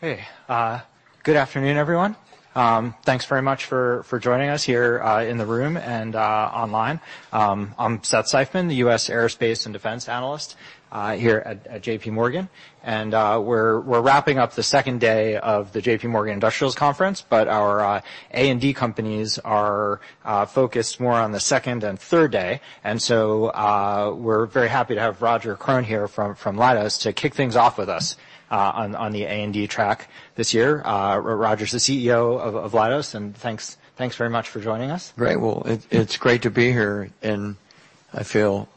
Hey, good afternoon, everyone. Thanks very much for joining us here in the room and online. I'm Seth Seifman, the U.S. Aerospace and Defense analyst here at JPMorgan. We're wrapping up the second day of the JPMorgan Industrials Conference, but our A&D companies are focused more on the second and third day. We're very happy to have Roger Krone here from Leidos to kick things off with us on the A&D track this year. Roger's the CEO of Leidos, and thanks very much for joining us. Great. It's great to be here, and I feel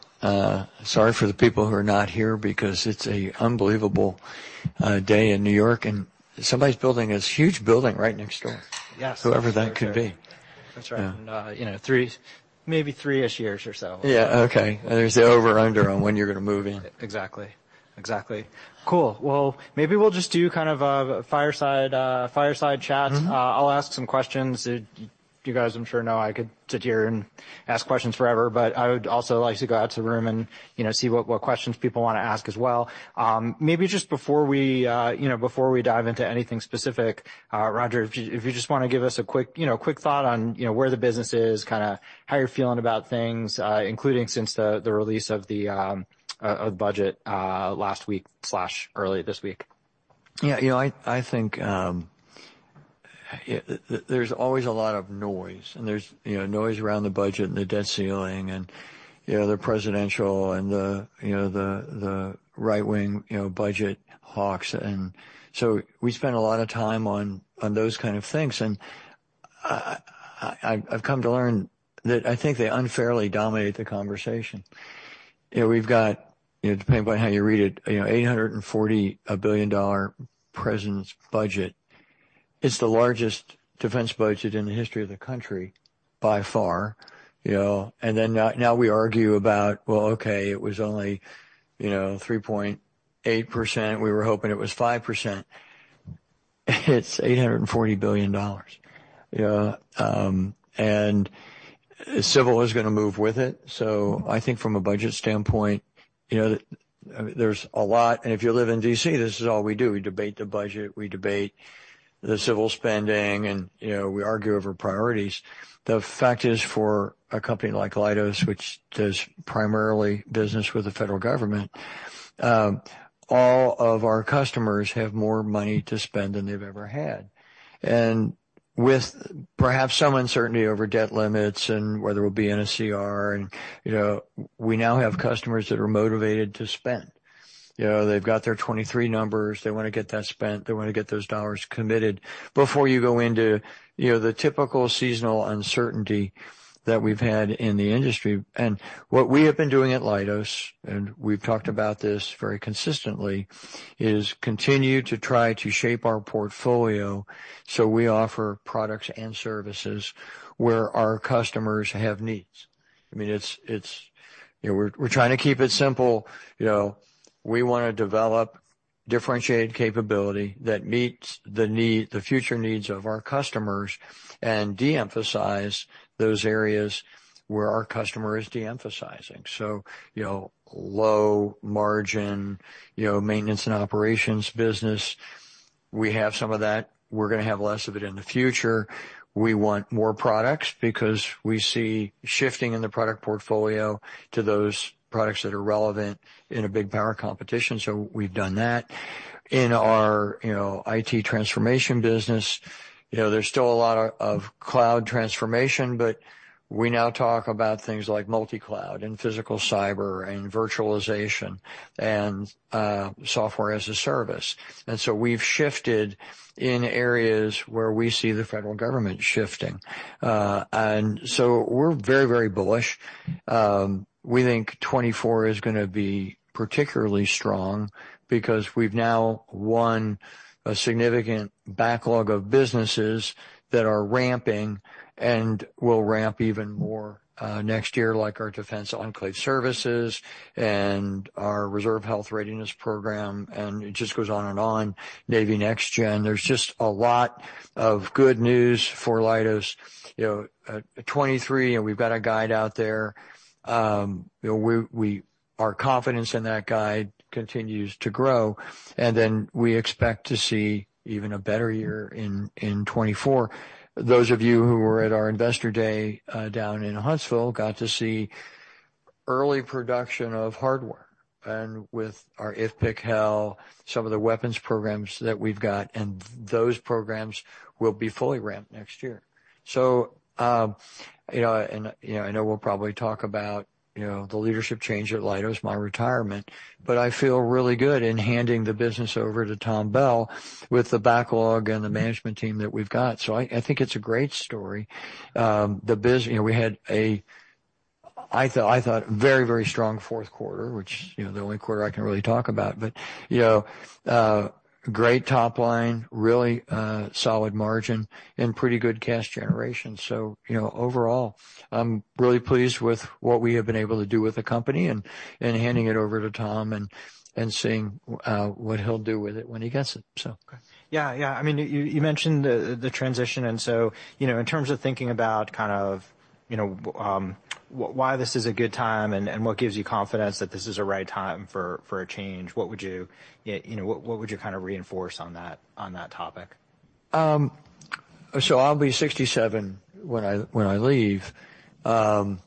sorry for the people who are not here because it's a unbelievable day in New York, and somebody's building this huge building right next door. Yes. Whoever that could be. That's right. Yeah. you know, maybe three-ish years or so. Yeah. Okay. There's the over-under on when you're gonna move in. Exactly. Exactly. Cool. maybe we'll just do kind of a fireside chat. I'll ask some questions. You guys, I'm sure know I could sit here and ask questions forever. I would also like to go out to the room and, you know, see what questions people want to ask as well. Maybe just before we, you know, before we dive into anything specific, Roger, if you just want to give us a quick, you know, quick thought on, you know, where the business is, kind of how you're feeling about things, including since the release of the budget last week/early this week. Yeah. You know, I think, there's always a lot of noise and there's, you know, noise around the budget and the debt ceiling and, you know, the presidential and the, you know, the right-wing, you know, budget hawks. We spend a lot of time on those kind of things. I've come to learn that I think they unfairly dominate the conversation. You know, we've got, you know, depending on how you read it, you know, $840 billion President's budget. It's the largest defense budget in the history of the country, by far, you know. Now we argue about, well, okay, it was only, you know, 3.8%. We were hoping it was 5%. It's $840 billion, you know. Civil is gonna move with it. I think from a budget standpoint, you know, there's a lot. If you live in D.C., this is all we do. We debate the budget, we debate the civil spending, and, you know, we argue over priorities. The fact is, for a company like Leidos, which does primarily business with the federal government, all of our customers have more money to spend than they've ever had. With perhaps some uncertainty over debt limits and whether it'll be in a CR, and, you know, we now have customers that are motivated to spend. You know, they've got their 2023 numbers. They wanna get that spent. They wanna get those dollars committed before you go into, you know, the typical seasonal uncertainty that we've had in the industry. What we have been doing at Leidos, and we've talked about this very consistently, is continue to try to shape our portfolio so we offer products and services where our customers have needs. I mean, it's, you know, we're trying to keep it simple. You know, we wanna develop differentiated capability that meets the need, the future needs of our customers and de-emphasize those areas where our customer is de-emphasizing. You know, low margin, you know, maintenance and operations business, we have some of that. We're gonna have less of it in the future. We want more products because we see shifting in the product portfolio to those products that are relevant in a big power competition, so we've done that. In our, you know, IT transformation business, you know, there's still a lot of cloud transformation, but we now talk about things like multi-cloud and physical cyber and virtualization and Software as a Service. We've shifted in areas where we see the federal government shifting. We're very, very bullish. We think 2024 is gonna be particularly strong because we've now won a significant backlog of businesses that are ramping and will ramp even more next year, like our Defense Enclave Services and our Reserve Health Readiness Program. It just goes on and on. Navy Next Gen, there's just a lot of good news for Leidos. You know, 2023, we've got a guide out there. You know, our confidence in that guide continues to grow, and we expect to see even a better year in 2024. Those of you who were at our Investor Day, down in Huntsville got to see early production of hardware and with our IFPC-HEL, some of the weapons programs that we've got, and those programs will be fully ramped next year. you know, I know we'll probably talk about, you know, the leadership change at Leidos, my retirement, but I feel really good in handing the business over to Tom Bell with the backlog and the management team that we've got. I think it's a great story. you know, we had a, I thought a very, very strong fourth quarter, which, you know, the only quarter I can really talk about. You know, great top line, really, solid margin and pretty good cash generation. You know, overall, I'm really pleased with what we have been able to do with the company and handing it over to Tom and seeing what he'll do with it when he gets it, so. Yeah. I mean, you mentioned the transition, you know, in terms of thinking about You know, why this is a good time and what gives you confidence that this is a right time for a change? You know, what would you kind of reinforce on that, on that topic? I'll be 67 when I, when I leave. You know,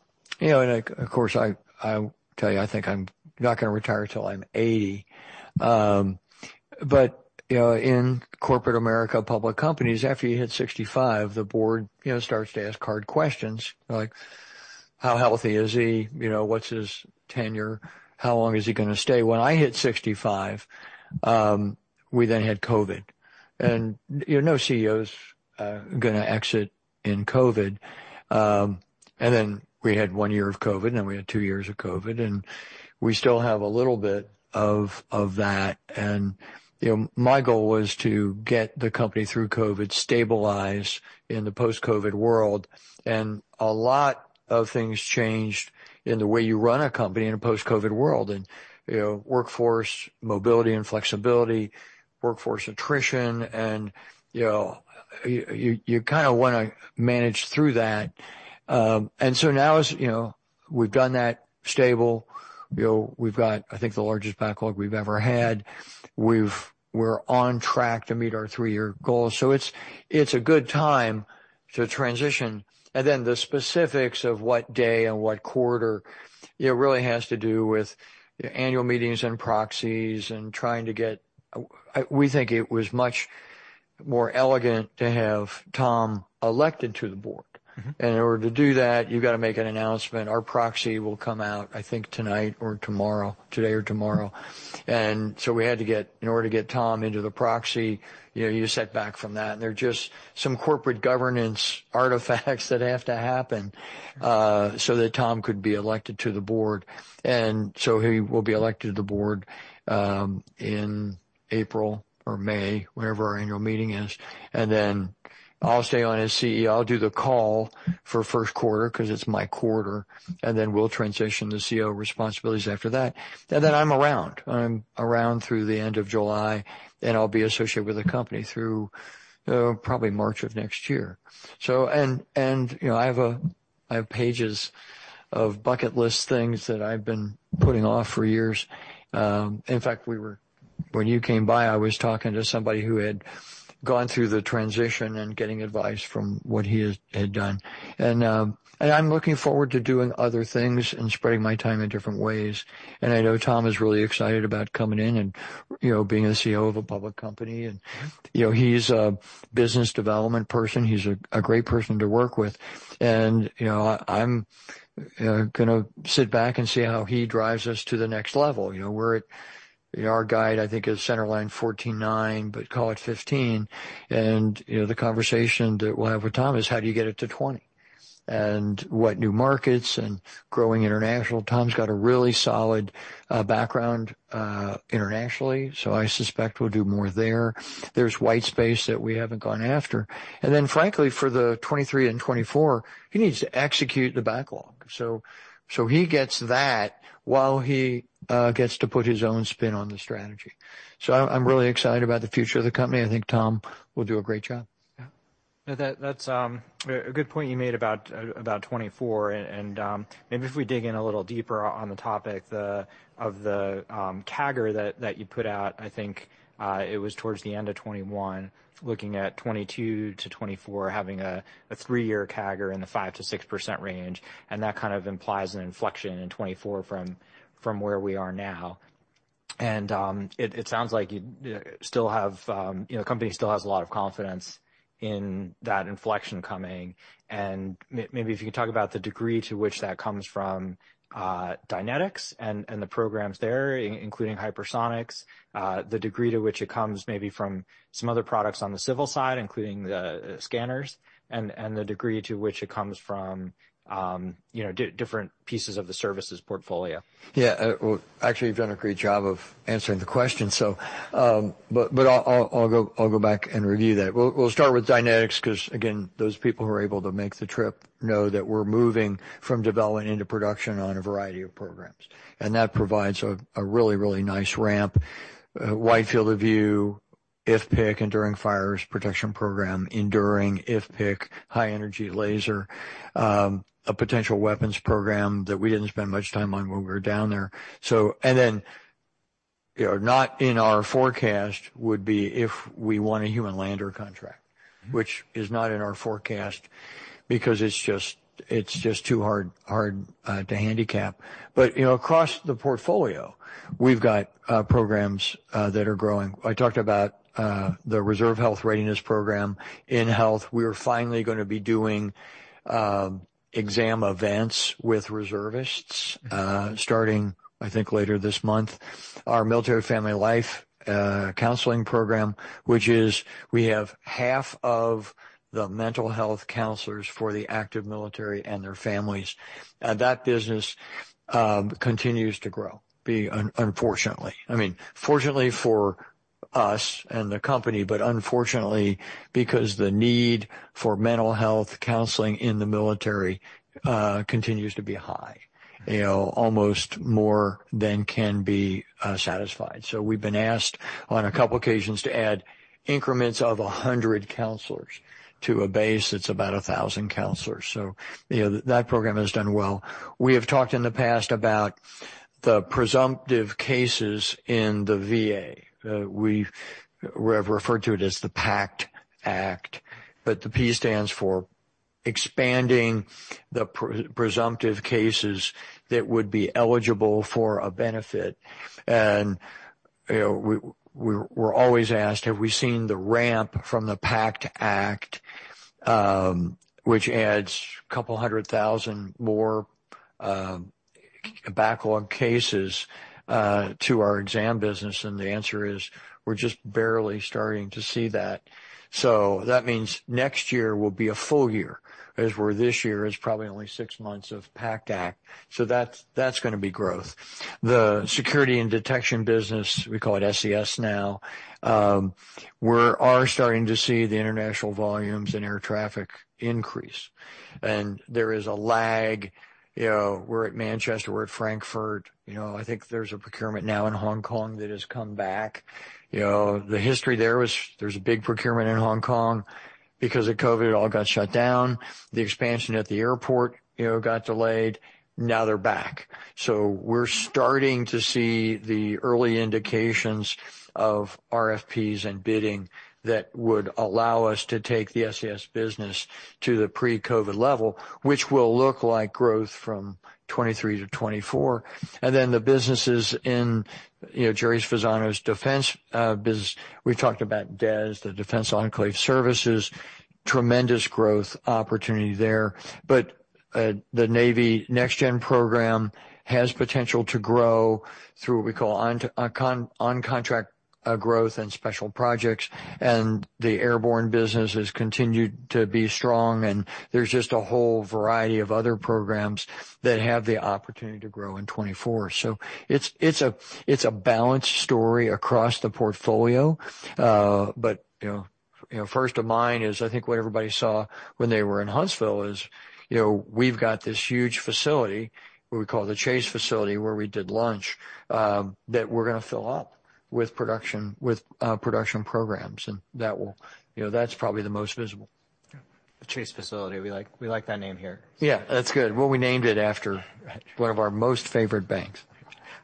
and I, of course, I tell you, I think I'm not gonna retire till I'm 80. You know, in corporate America, public companies, after you hit 65, the board, you know, starts to ask hard questions like, how healthy is he? You know, what's his tenure? How long is he gonna stay? When I hit 65, we then had COVID, and, you know, no CEOs gonna exit in COVID. Then we had one year of COVID, and then we had two years of COVID, and we still have a little bit of that. You know, my goal was to get the company through COVID, stabilize in the post-COVID world. A lot of things changed in the way you run a company in a post-COVID world. You know, workforce mobility and flexibility, workforce attrition and, you know, you kinda wanna manage through that. Now as, you know, we've done that, stable. You know, we've got, I think, the largest backlog we've ever had. We're on track to meet our three-year goals. It's a good time to transition. Then the specifics of what day and what quarter, you know, really has to do with annual meetings and proxies and trying to get. we think it was much more elegant to have Tom elected to the board. In order to do that, you've gotta make an announcement. Our proxy will come out, I think, tonight or tomorrow, today or tomorrow. We had to get in order to get Tom into the proxy, you know, you set back from that. They're just some corporate governance artifacts that have to happen so that Tom could be elected to the board. He will be elected to the board in April or May, whenever our annual meeting is, and then I'll stay on as CEO. I'll do the call for first quarter 'cause it's my quarter, and then we'll transition the CEO responsibilities after that. I'm around through the end of July, and I'll be associated with the company through probably March of next year. You know, I have pages of bucket list things that I've been putting off for years. In fact, when you came by, I was talking to somebody who had gone through the transition and getting advice from what he had done. I'm looking forward to doing other things and spreading my time in different ways. I know Tom is really excited about coming in and, you know, being a CEO of a public company. You know, he's a business development person, he's a great person to work with. You know, I'm gonna sit back and see how he drives us to the next level. You know, our guide, I think, is center line 14-9, but call it 15. You know, the conversation that we'll have with Tom is, how do you get it to 20? What new markets and growing international. Tom's got a really solid background internationally, so I suspect we'll do more there. There's white space that we haven't gone after. Frankly, for the 2023 and 2024, he needs to execute the backlog. He gets that while he gets to put his own spin on the strategy. I'm really excited about the future of the company. I think Tom will do a great job. Yeah. No, that's a good point you made about 2024. Maybe if we dig in a little deeper on the topic of the CAGR that you put out, I think it was towards the end of 2021, looking at 2022 to 2024 having a three year CAGR in the 5%-6% range, and that kind of implies an inflection in 2024 from where we are now. It sounds like you still have, you know, the company still has a lot of confidence in that inflection coming. Maybe if you could talk about the degree to which that comes from Dynetics and the programs there, including hypersonics, the degree to which it comes maybe from some other products on the civil side, including the scanners and the degree to which it comes from, you know, different pieces of the services portfolio. Yeah. Well, actually, you've done a great job of answering the question, so, but I'll go back and review that. We'll start with Dynetics 'cause again, those people who are able to make the trip know that we're moving from development into production on a variety of programs, and that provides a really, really nice ramp. Wide Field of View, IFPC, Enduring Fires Protection program, enduring IFPC, high energy laser, a potential weapons program that we didn't spend much time on when we were down there. You know, not in our forecast would be if we want a human lander contract which is not in our forecast because it's just too hard to handicap. You know, across the portfolio, we've got programs that are growing. I talked about the Reserve Health Readiness Program. In health, we are finally gonna be doing exam events with reservists, starting, I think, later this month. Our Military Family Life Counseling Program, which is we have half of the mental health counselors for the active military and their families. That business continues to grow, unfortunately. I mean, fortunately for us and the company, but unfortunately, because the need for mental health counseling in the military continues to be high, you know, almost more than can be satisfied. We've been asked on a couple occasions to add increments of 100 counselors to a base that's about 1,000 counselors. You know, that program has done well. We have talked in the past about the presumptive cases in the VA. We have referred to it as the PACT Act, the P stands for expanding the pre-presumptive cases that would be eligible for a benefit. You know, we're always asked, have we seen the ramp from the PACT Act, which adds a couple hundred thousand more backlog cases to our exam business, the answer is, we're just barely starting to see that. That means next year will be a full year, as where this year is probably only six months of PACT Act. That's gonna be growth. The security and detection business, we call it SCS now, we are starting to see the international volumes and air traffic increase. There is a lag, you know, we're at Manchester, we're at Frankfurt. I think there's a procurement now in Hong Kong that has come back. The history there was there's a big procurement in Hong Kong. Because of COVID, it all got shut down. The expansion at the airport, you know, got delayed. Now they're back. We're starting to see the early indications of RFPs and bidding that would allow us to take the SCS business to the pre-COVID level, which will look like growth from 23-24. The businesses in, you know, Gerry Fasano's defense business. We talked about DES, the Defense Enclave Services, tremendous growth opportunity there. The Navy Next Gen program has potential to grow through what we call on-contract growth and special projects. The airborne business has continued to be strong, and there's just a whole variety of other programs that have the opportunity to grow in 2024. It's, it's a, it's a balanced story across the portfolio. But, you know, you know, first of mine is, I think what everybody saw when they were in Huntsville is, you know, we've got this huge facility, what we call the Chase facility, where we did lunch, that we're gonna fill up with production, with production programs. You know, that's probably the most visible. The Chase facility. We like that name here. Yeah, that's good. Well, we named it after. Right. One of our most favorite banks.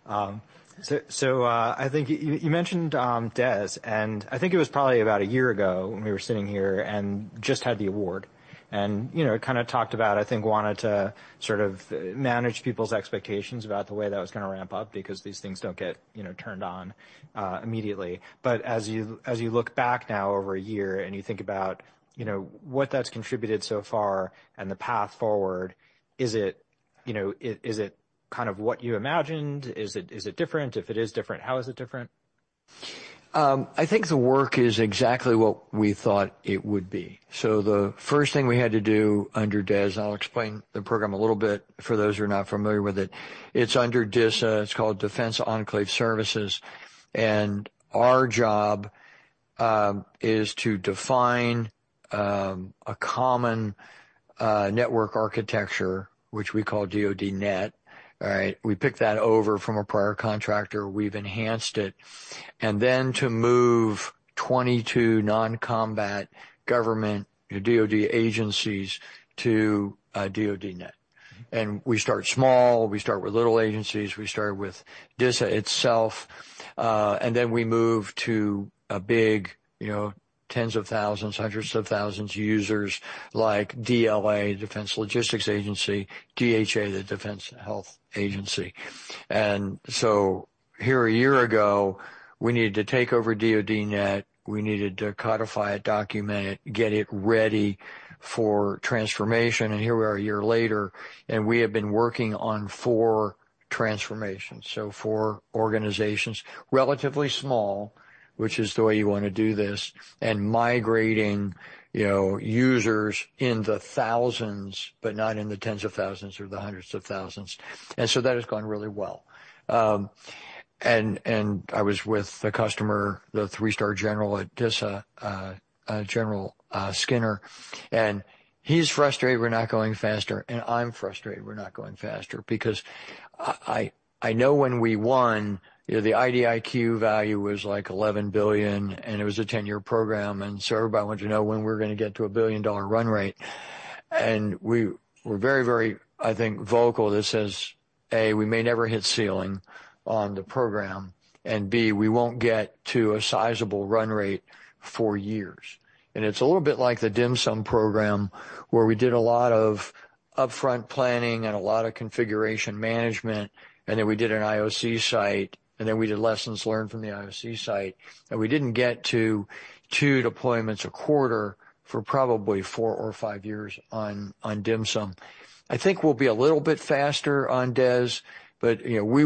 I think you mentioned DES, and I think it was probably about a year ago when we were sitting here and just had the award. You know, kind of talked about, I think, wanted to sort of manage people's expectations about the way that was gonna ramp up because these things don't get, you know, turned on immediately. As you look back now over a year and you think about, you know, what that's contributed so far and the path forward, is it, you know, is it kind of what you imagined? Is it different? If it is different, how is it different? I think the work is exactly what we thought it would be. The first thing we had to do under DES, and I'll explain the program a little bit for those who are not familiar with it. It's under DISA, it's called Defense Enclave Services. Our job is to define a common network architecture, which we call DoDNet. All right? We picked that over from a prior contractor. We've enhanced it. Then to move 22 non-combat government DoD agencies to DoDNet. We start small. We start with little agencies. We start with DISA itself. Then we move to a big, you know, tens of thousands, hundreds of thousands users like DLA, Defense Logistics Agency, DHA, the Defense Health Agency. Here, a year ago, we needed to take over DoDNet. We needed to codify it, document it, get it ready for transformation. Here we are a year later, and we have been working on four transformations. Four organizations, relatively small, which is the way you wanna do this. Migrating, you know, users in the thousands, but not in the tens of thousands or the hundreds of thousands. That has gone really well. I was with the customer, the three-star general at DISA, General Skinner, and he's frustrated we're not going faster, and I'm frustrated we're not going faster because I know when we won, you know, the IDIQ value was, like, $11 billion, and it was a 10-year program, and so everybody wants to know when we're gonna get to a billion-dollar run rate. We were very, very, I think, vocal that says, A, we may never hit ceiling on the program, and B, we won't get to a sizable run rate for years. It's a little bit like the DHMSM program, where we did a lot of upfront planning and a lot of configuration management, and then we did an IOC site, and then we did lessons learned from the IOC site. We didn't get to two deployments a quarter for probably four or five years on DHMSM. I think we'll be a little bit faster on DES, but, you know, we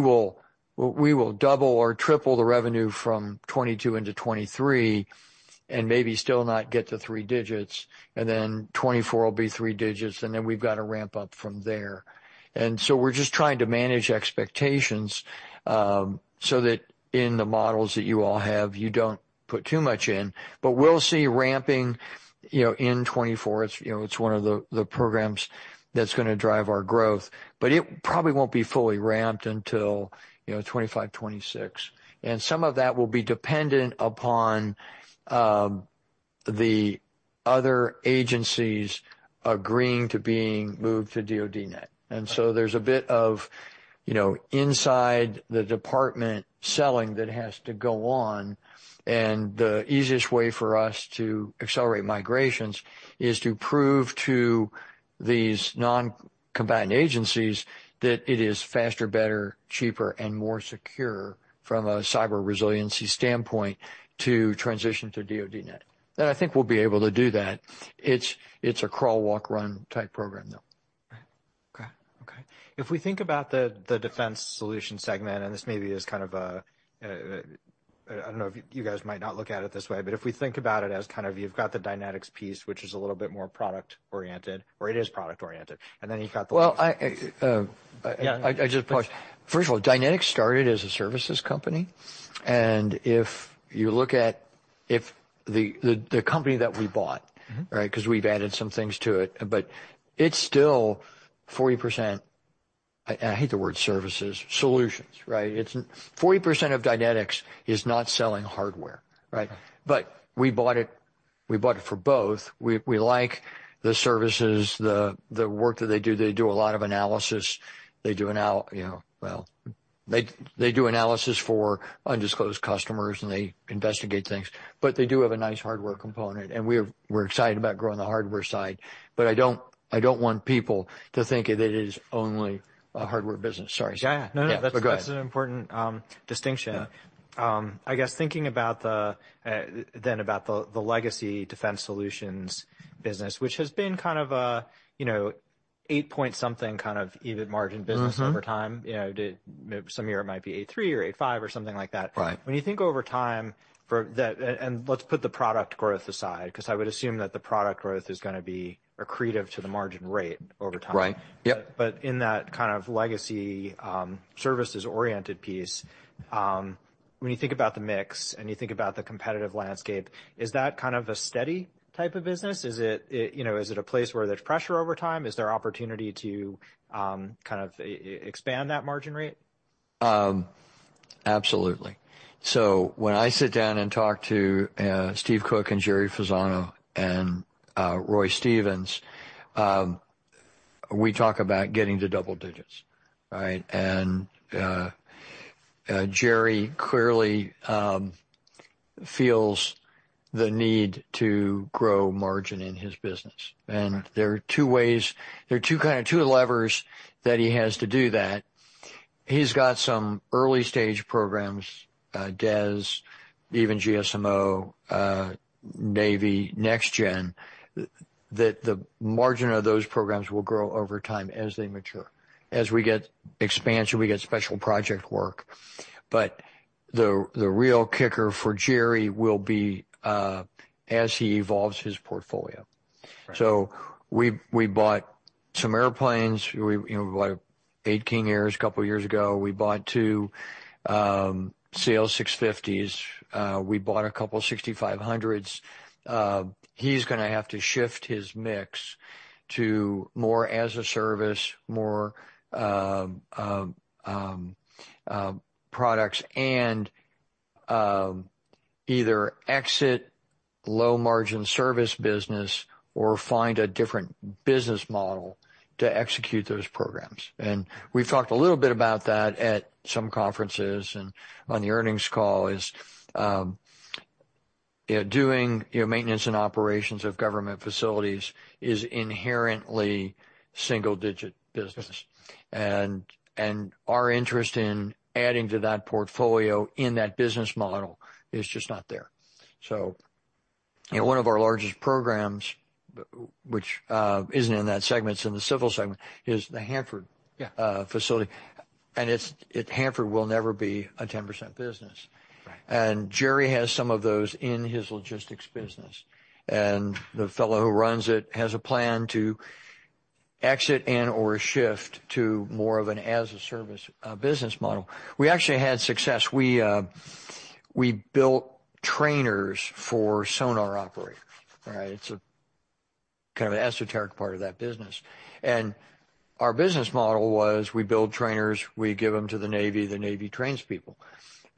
will double or triple the revenue from 2022 into 2023. Maybe still not get to three digits, and then 2024 will be three digits, and then we've got to ramp up from there. We're just trying to manage expectations, so that in the models that you all have, you don't put too much in. We'll see ramping, you know, in 2024. It's, you know, it's one of the programs that's gonna drive our growth. It probably won't be fully ramped until, you know, 2025, 2026. Some of that will be dependent upon the other agencies agreeing to being moved to DoDNet. There's a bit of, you know, inside the department selling that has to go on, and the easiest way for us to accelerate migrations is to prove to these non-combined agencies that it is faster, better, cheaper, and more secure from a cyber resiliency standpoint to transition to DoDNet. I think we'll be able to do that. It's, it's a crawl, walk, run type program, though. Right. Okay. Okay. If we think about the defense solutions segment, and this maybe is kind of a, I don't know, you guys might not look at it this way, but if we think about it as kind of, you've got the Dynetics piece, which is a little bit more product oriented, or it is product oriented, and then you've got the. Well, I. Yeah. I just pause. First of all, Dynetics started as a services company, and if you look at if the company that we bought. Right? 'Cause we've added some things to it, but it's still 40%. I hate the word services. Solutions, right? It's 40% of Dynetics is not selling hardware, right? We bought it for both. We like the services, the work that they do. They do a lot of analysis. They do, you know, well, they do analysis for undisclosed customers, and they investigate things. They do have a nice hardware component, and we're excited about growing the hardware side. I don't want people to think it is only a hardware business. Sorry. Yeah, no. Yeah, go ahead. That's an important distinction. Yeah. I guess thinking then about the legacy defense solutions business, which has been kind of a, you know, 8-point something kind of even margin business over time. You know, maybe some year it might be 83 or 85 or something like that. Right. When you think over time let's put the product growth aside, 'cause I would assume that the product growth is gonna be accretive to the margin rate over time. Right. Yep. In that kind of legacy, services-oriented piece, when you think about the mix and you think about the competitive landscape, is that kind of a steady type of business? Is it, you know, is it a place where there's pressure over time? Is there opportunity to, kind of expand that margin rate? Absolutely. When I sit down and talk to Steve Cook and Gerry Fasano and Roy Stevens, we talk about getting to double digits, right? Gerry clearly feels the need to grow margin in his business. Right. There are two ways. There are two kind of, two levers that he has to do that. He's got some early-stage programs, DES, even GSMO, Navy Next Gen, that the margin of those programs will grow over time as they mature, as we get expansion, we get special project work. The real kicker for Gerry will be as he evolves his portfolio. Right. We bought some airplanes. We, you know, bought 8 King Airs a couple years ago. We bought two CL650s. We bought a couple 6500s. He's gonna have to shift his mix to more as a service, more products and either exit low-margin service business or find a different business model to execute those programs. We've talked a little bit about that at some conferences and on the earnings call, is, you know, doing, you know, maintenance and operations of government facilities is inherently single-digit business. Our interest in adding to that portfolio in that business model is just not there. you know, one of our largest programs, which isn't in that segment, it's in the civil segment, is the Hanford. Yeah. Facility. Hanford will never be a 10% business. Right. Gerry has some of those in his logistics business. The fellow who runs it has a plan to exit and/or shift to more of an as a service business model. We actually had success. We built trainers for sonar operators, right? It's a kind of an esoteric part of that business. Our business model was, we build trainers, we give them to the Navy, the Navy trains people.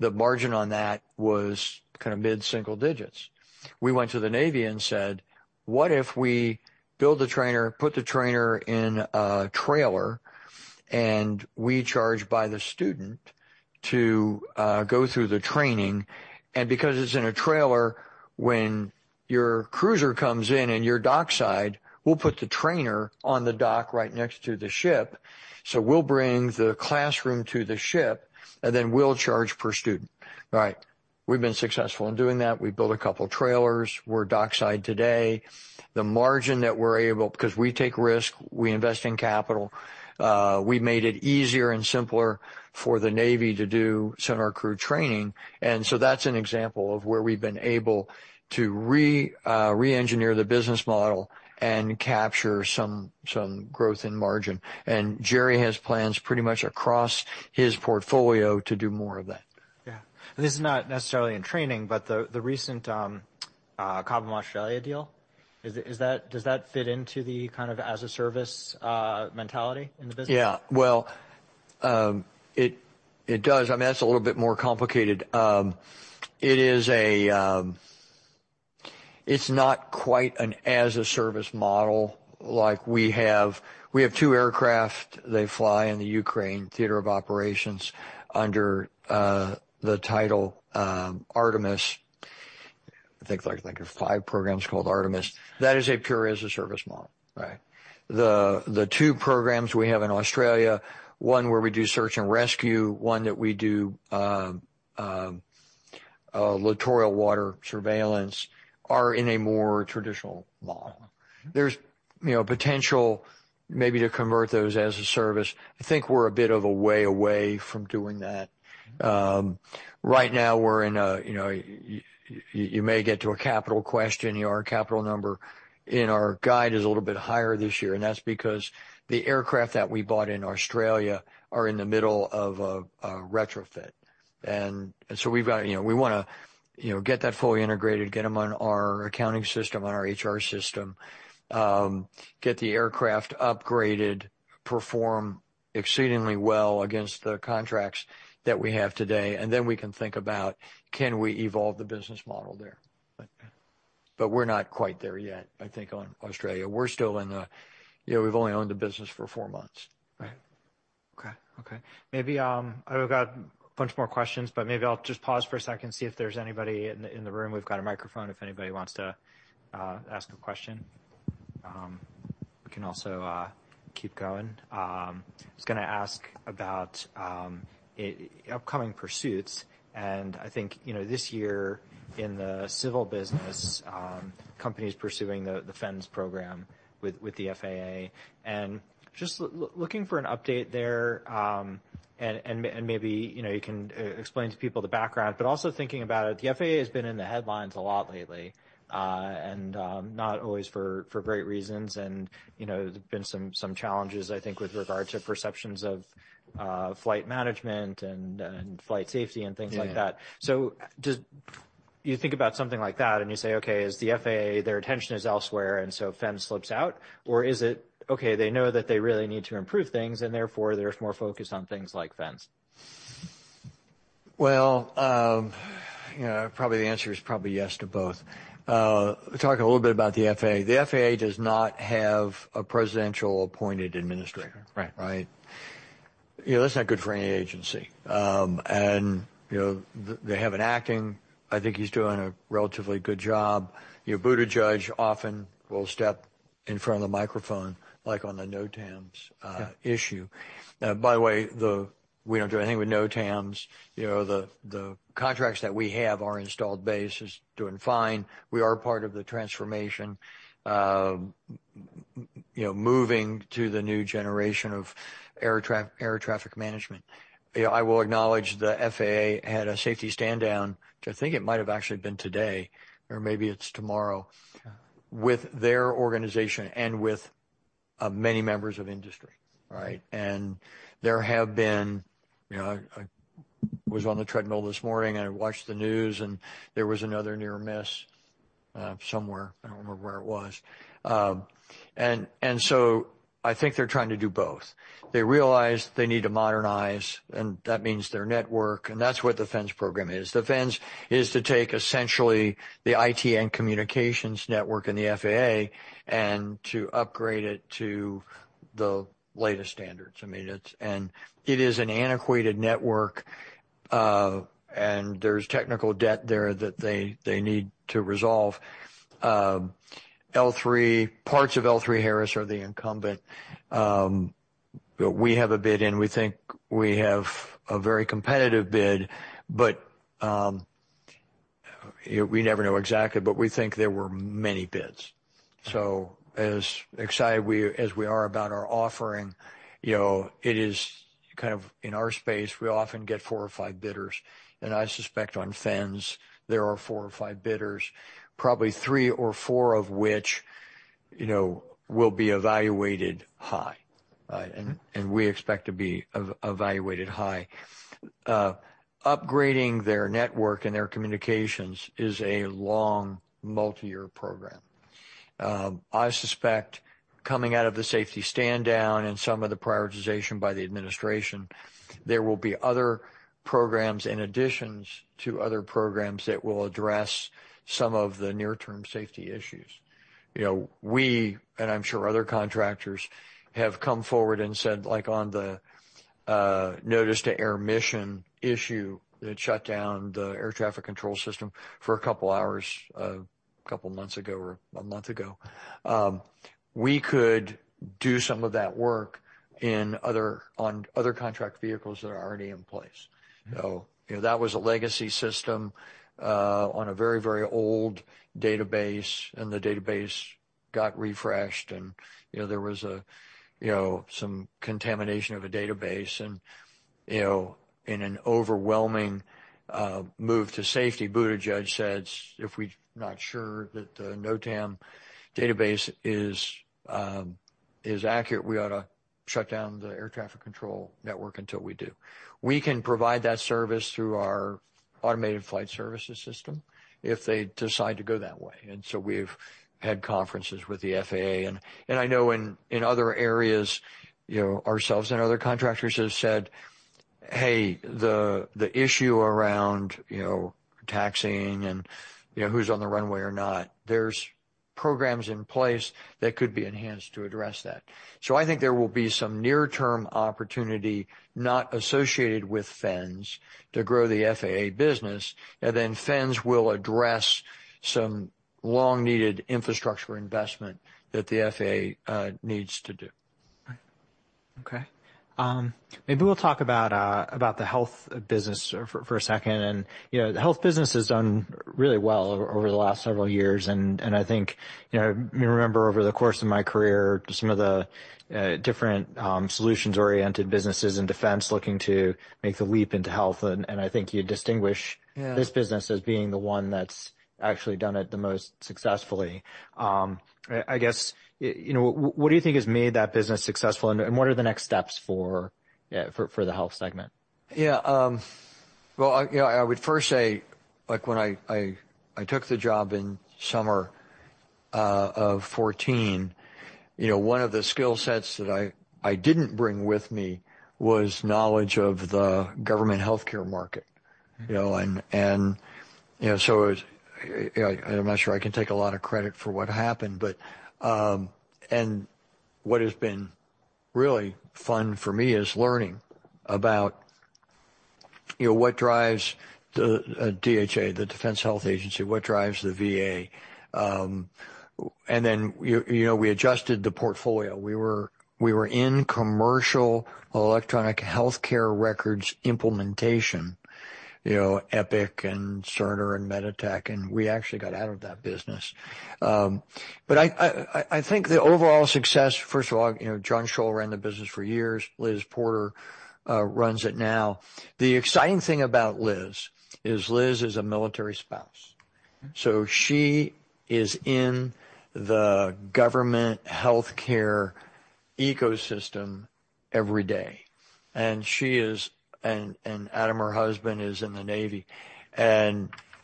The margin on that was kinda mid-single digits. We went to the Navy and said, what if we build the trainer, put the trainer in a trailer, and we charge by the student to go through the training? Because it's in a trailer, when your cruiser comes in and you're dockside, we'll put the trainer on the dock right next to the ship, so we'll bring the classroom to the ship, then we'll charge per student. Right. We've been successful in doing that. We built a couple trailers. We're dockside today. The margin that we're able, 'cause we take risk, we invest in capital, we made it easier and simpler for the Navy to do center crew training. So that's an example of where we've been able to reengineer the business model and capture some growth in margin. Jerry has plans pretty much across his portfolio to do more of that. Yeah. This is not necessarily in training, but the recent, Commonwealth Australia deal, does that fit into the kind of as a service, mentality in the business? Yeah. Well, it does. I mean, that's a little bit more complicated. It's not quite an as a service model like we have. We have two aircraft. They fly in the Ukraine theater of operations under the title, ARTEMIS. I think there are five programs called ARTEMIS. That is a pure as a service model. Right. The two programs we have in Australia, one where we do search and rescue, one that we do littoral water surveillance are in a more traditional model. There's, you know, potential maybe to convert those as a service. I think we're a bit of a way away from doing that. Right now we're in a, you know, you may get to a capital question. You know, our capital number in our guide is a little bit higher this year, and that's because the aircraft that we bought in Australia are in the middle of a retrofit. We've got, you know, we wanna, you know, get that fully integrated, get them on our accounting system, on our HR system, get the aircraft upgraded, perform exceedingly well against the contracts that we have today, and then we can think about, can we evolve the business model there? Okay. We're not quite there yet, I think, on Australia. We're still in the. You know, we've only owned the business for four months. Right. Okay. Okay. Maybe, I've got a bunch more questions, but maybe I'll just pause for a second and see if there's anybody in the room. We've got a microphone if anybody wants to ask a question. We can also keep going. I was gonna ask about upcoming pursuits, and I think, you know, this year in the civil business, companies pursuing the FENS program with the FAA. Just looking for an update there, and maybe, you know, you can explain to people the background, but also thinking about it, the FAA has been in the headlines a lot lately, and not always for great reasons. You know, there's been some challenges, I think, with regard to perceptions of flight management and flight safety and things like that. Yeah. Do you think about something like that, and you say, Okay, is the FAA, their attention is elsewhere, and so FENS slips out? Or is it, okay, they know that they really need to improve things, and therefore there's more focus on things like FENS? Well, you know, probably the answer is probably yes to both. talk a little bit about the FAA. The FAA does not have a presidential appointed administrator. Sure. Right. Right? You know, that's not good for any agency. You know, they have an acting. I think he's doing a relatively good job. You know, Buttigieg often will step in front of the microphone, like on the NOTAMs issue. By the way, we don't do anything with NOTAMs. You know, the contracts that we have, our installed base is doing fine. We are part of the transformation, you know, moving to the new generation of air traffic management. You know, I will acknowledge the FAA had a safety standdown, which I think it might have actually been today, or maybe it's tomorrow. Okay. With their organization and with many members of industry, right? There have been, you know, I was on the treadmill this morning and I watched the news, and there was another near miss somewhere. I don't remember where it was. So I think they're trying to do both. They realize they need to modernize, and that means their network, and that's what the FENS program is. The FENS is to take essentially the IT and communications network in the FAA and to upgrade it to the latest standards. I mean, it is an antiquated network, and there's technical debt there that they need to resolve. L3, parts of L3Harris are the incumbent. We have a bid in. We think we have a very competitive bid, we never know exactly, we think there were many bids. As excited we, as we are about our offering, you know, it is kind of in our space, we often get four or five bidders. I suspect on FENS, there are four or five bidders, probably three or four of which, you know, will be evaluated high. We expect to be evaluated high. Upgrading their network and their communications is a long multi-year program. I suspect coming out of the safety standdown and some of the prioritization by the administration, there will be other programs in additions to other programs that will address some of the near term safety issues. You know, we, and I'm sure other contractors, have come forward and said, like on the Notice to Air Missions issue that shut down the air traffic control system for a couple hours, couple months ago or a month ago, we could do some of that work on other contract vehicles that are already in place. You know, that was a legacy system on a very, very old database, and the database got refreshed and, you know, there was a, you know, some contamination of a database and, you know, in an overwhelming move to safety, Buttigieg says, if we're not sure that the NOTAM database is accurate, we ought to shut down the air traffic control network until we do. We can provide that service through our Automated Flight Services System if they decide to go that way. We've had conferences with the FAA and I know in other areas, you know, ourselves and other contractors have said, hey, the issue around, you know, taxiing and, you know, who's on the runway or not, there's programs in place that could be enhanced to address that. I think there will be some near-term opportunity not associated with FENS to grow the FAA business, and then FENS will address some long-needed infrastructure investment that the FAA needs to do. Right. Okay. Maybe we'll talk about about the health business for a second. I think, you know, me remember over the course of my career, some of the different solutions-oriented businesses in defense looking to make the leap into health, and I think you. Yeah. This business as being the one that's actually done it the most successfully. You know, what do you think has made that business successful, and what are the next steps for the health segment? Yeah. Well, I, you know, I would first say, like, when I took the job in summer of 2014, you know, one of the skill sets that I didn't bring with me was knowledge of the government healthcare market, you know? You know, I'm not sure I can take a lot of credit for what happened, but what has been really fun for me is learning about, you know, what drives the DHA, the Defense Health Agency, what drives the VA. You know, we adjusted the portfolio. We were in commercial electronic healthcare records implementation, you know, Epic and Cerner and MEDITECH, and we actually got out of that business. I think the overall success, first of all, you know, John Shull ran the business for years. Liz Porter runs it now. The exciting thing about Liz is Liz is a military spouse. She is in the government healthcare ecosystem every day, and she is. Adam, her husband, is in the Navy.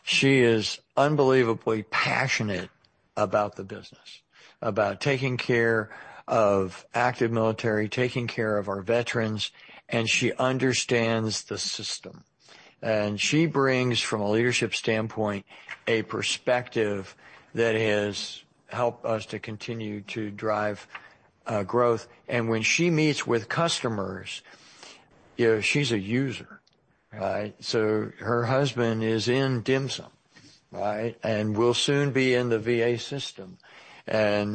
She is unbelievably passionate about the business, about taking care of active military, taking care of our veterans, and she understands the system. She brings, from a leadership standpoint, a perspective that has helped us to continue to drive growth. When she meets with customers, you know, she's a user, right? Her husband is in DHMSM, right? Will soon be in the VA system.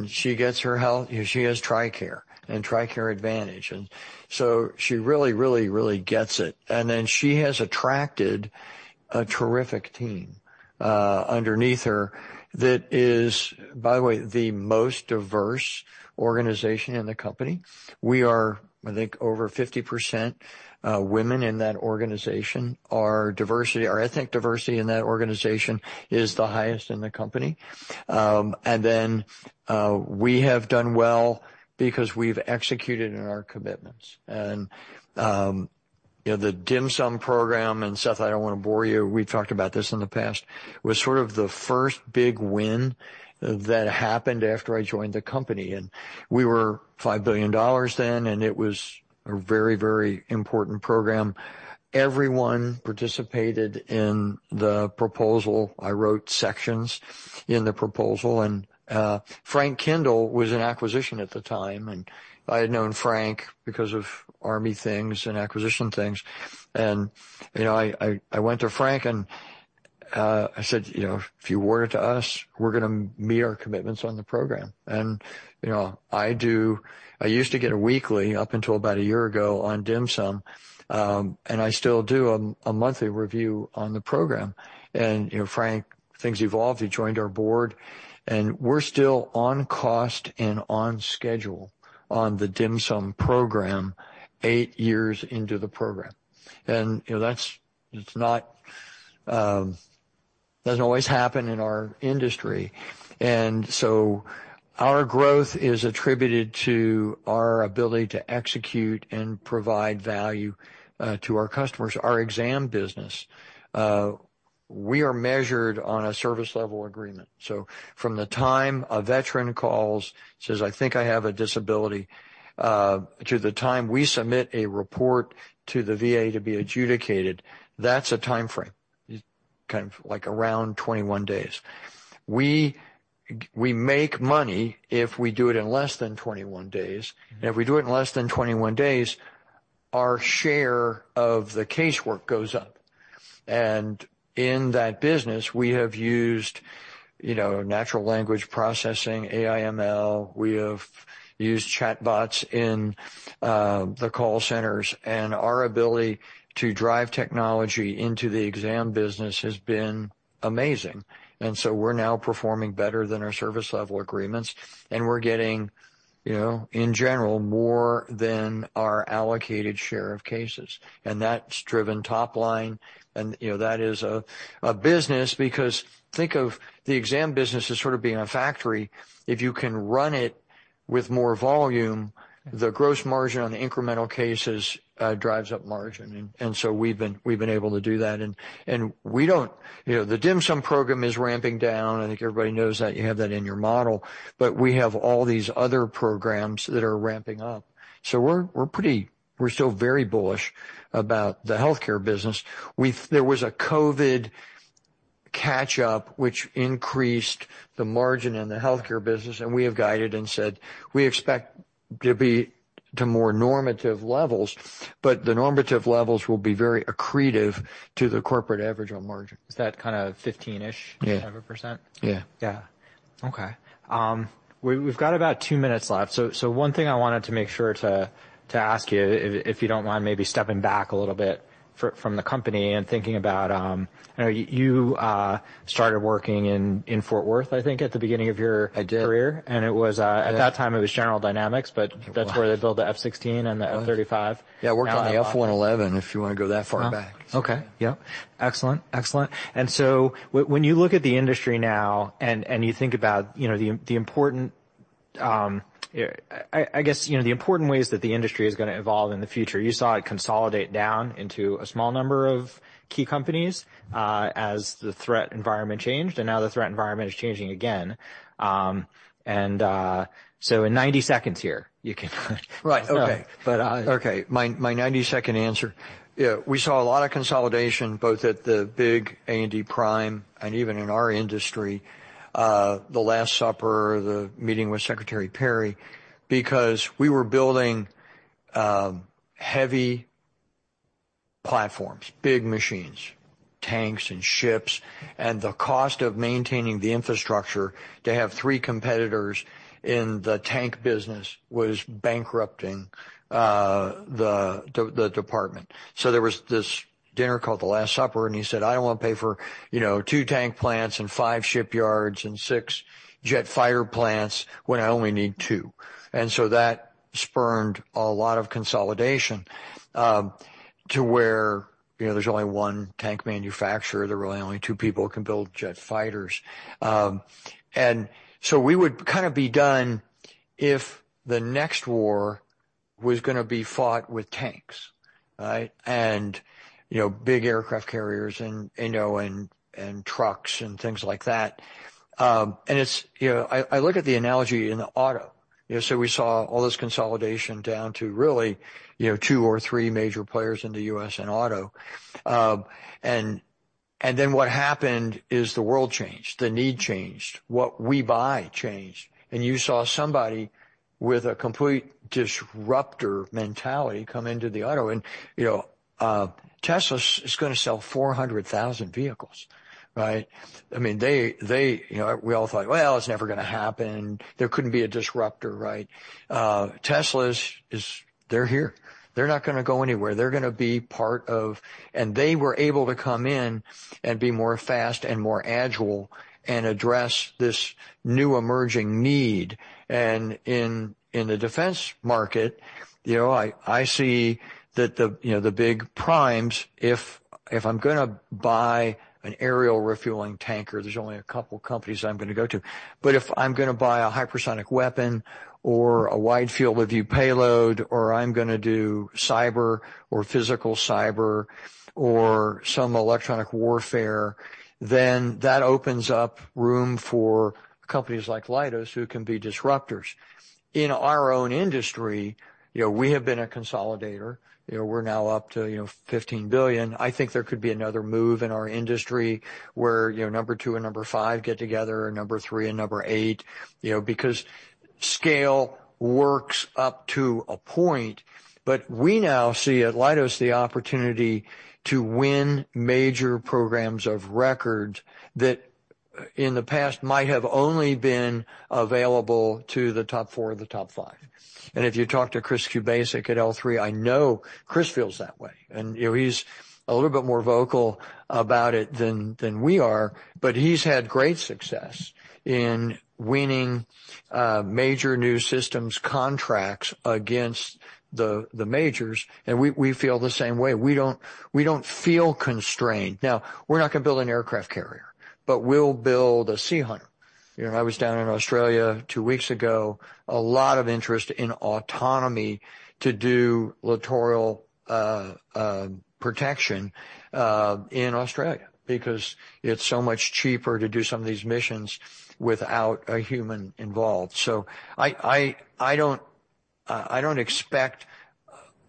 She gets her health, she has TRICARE and TRICARE Advantage. She really, really, really gets it. She has attracted a terrific team underneath her that is, by the way, the most diverse organization in the company. We are, I think, over 50% women in that organization. Our diversity, our ethnic diversity in that organization is the highest in the company. Then, we have done well because we've executed in our commitments. You know, the DHMSM program, and Seth, I don't wanna bore you, we've talked about this in the past, was sort of the first big win that happened after I joined the company. We were $5 billion then, and it was a very, very important program. Everyone participated in the proposal. I wrote sections in the proposal. Frank Kendall was in acquisition at the time, and I had known Frank because of Army things and acquisition things. You know, I went to Frank and I said, you know, if you award it to us, we're gonna meet our commitments on the program. You know, I do. I used to get a weekly up until about a year ago on DHMSM. I still do a monthly review on the program. You know, Frank, things evolved. He joined our board. We're still on cost and on schedule on the DHMSM program eight years into the program. You know, that doesn't always happen in our industry. Our growth is attributed to our ability to execute and provide value to our customers. Our exam business, we are measured on a service level agreement. From the time a veteran calls, says, I think I have a disability, to the time we submit a report to the VA to be adjudicated, that's a timeframe. It's kind of, like, around 21 days. We make money if we do it in less than 21 days. If we do it in less than 21 days, our share of the casework goes up. In that business, we have used, you know, Natural Language Processing, AIML. We have used chatbots in the call centers, and our ability to drive technology into the exam business has been amazing. So we're now performing better than our service level agreements, and we're getting, you know, in general, more than our allocated share of cases. That's driven top line. You know, that is a business because think of the exam business as sort of being a factory. If you can run it with more volume, the gross margin on the incremental cases, drives up margin. So we've been able to do that. You know, the DHMSM program is ramping down. I think everybody knows that. You have that in your model. We have all these other programs that are ramping up. We're still very bullish about the healthcare business. There was a COVID catch up, which increased the margin in the healthcare business, and we have guided and said we expect to be to more normative levels, but the normative levels will be very accretive to the corporate average on margin. Is that kind of 15-ish. Yeah. Type of percent? Yeah. Yeah. Okay. We've got about two minutes left. So one thing I wanted to make sure to ask you, if you don't mind maybe stepping back a little bit from the company and thinking about, you know, you, started working in Fort Worth, I think, at the beginning of your. I did. Career, it was. Yeah. At that time, it was General Dynamics, but that's where they built the F-16 and the F-35. Worked on the F-111, if you wanna go that far back. Oh, okay. Yep. Excellent, excellent. When you look at the industry now and you think about, you know, the important, I guess, you know, the important ways that the industry is gonna evolve in the future, you saw it consolidate down into a small number of key companies as the threat environment changed, and now the threat environment is changing again. In 90 seconds here, you can. Right. Okay. But, uh. Okay. My 90-second answer. We saw a lot of consolidation both at the big A&D prime and even in our industry, The Last Supper, the meeting with Secretary Perry, because we were building, heavy platforms, big machines, tanks and ships, and the cost of maintaining the infrastructure to have three competitors in the tank business was bankrupting the Department. There was this dinner called The Last Supper, and he said, I don't wanna pay for, you know, two tank plants and five shipyards and six jet fighter plants when I only need two. That spurned a lot of consolidation, to where, you know, there's only 1 tank manufacturer. There are really only two people who can build jet fighters. We would kind of be done if the next war was gonna be fought with tanks, right? You know, big aircraft carriers and, you know, trucks and things like that. It's, you know. I look at the analogy in auto. You know, we saw all this consolidation down to really, you know, two or three major players in the U.S. in auto. Then what happened is the world changed, the need changed, what we buy changed, and you saw somebody with a complete disruptor mentality come into the auto end. You know, Tesla's gonna sell 400,000 vehicles, right? I mean, they, you know. We all thought, well, it's never gonna happen. There couldn't be a disruptor, right? Tesla's, they're here. They're not gonna go anywhere. They're gonna be part of. They were able to come in and be more fast and more agile and address this new emerging need. In the defense market, you know, I see that the big primes, if I'm gonna buy an aerial refueling tanker, there's only a couple companies I'm gonna go to. If I'm gonna buy a hypersonic weapon or a Wide Field of View payload, or I'm gonna do cyber or physical cyber or some electronic warfare, that opens up room for companies like Leidos, who can be disruptors. In our own industry, you know, we have been a consolidator. You know, we're now up to, you know, $15 billion. I think there could be another move in our industry where, you know, number two and number five get together, or number three and number eight, you know, because scale works up to a point. We now see at Leidos the opportunity to win major programs of records that in the past might have only been available to the top four or the top five. If you talk to Chris Kubasik at L3, I know Chris feels that way. You know, he's a little bit more vocal about it than we are, but he's had great success in winning major new systems contracts against the majors, and we feel the same way. We don't feel constrained. Now, we're not gonna build an aircraft carrier, but we'll build a Sea Hunter. You know, I was down in Australia two weeks ago. A lot of interest in autonomy to do littoral protection in Australia because it's so much cheaper to do some of these missions without a human involved. I don't expect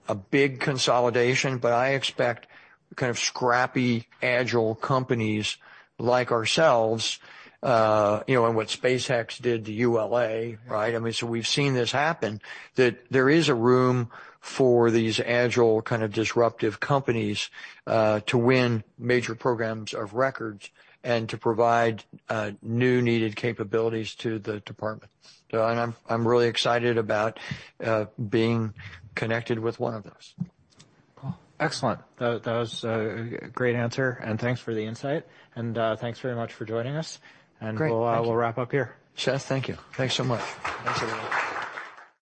a big consolidation, but I expect kind of scrappy, agile companies like ourselves, you know, and what SpaceX did to ULA, right? I mean, we've seen this happen, that there is a room for these agile, kind of disruptive companies, to win major programs of records and to provide new needed capabilities to the Department. And I'm really excited about being connected with one of those. Cool. Excellent. That was a great answer, and thanks for the insight. Thanks very much for joining us. Great. Thank you. We'll wrap up here. Seth, thank you. Thanks so much. Thanks, everyone.